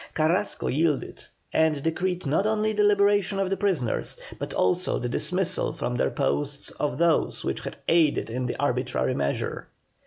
Carrasco yielded, and decreed not only the liberation of the prisoners, but also the dismissal from their posts of those who had aided in the arbitrary measure.